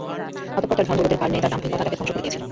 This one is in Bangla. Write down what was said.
অতঃপর তার ধন-দৌলতের কারণে তার দাম্ভিকতা তাকে ধ্বংস করে দিয়েছিল।